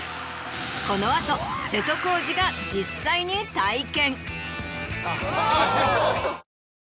この後瀬戸康史が実際に体験。